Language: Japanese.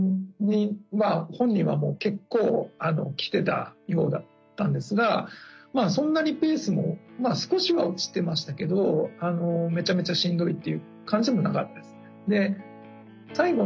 本人はもう結構きてたようだったんですがまあそんなにペースも少しは落ちてましたけどめちゃめちゃしんどいっていう感じでもなかったですね。